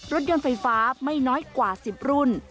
รถยนต์ไฟฟ้าไม่น้อยกว่า๑๐รุ่น